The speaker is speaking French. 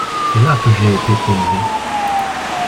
C’est là que j’ai été élevé…